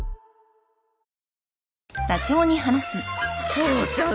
父ちゃん